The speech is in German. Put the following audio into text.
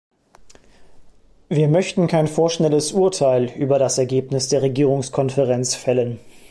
Wir möchten kein vorschnelles Urteil über das Ergebnis der Regierungskonferenz fällen.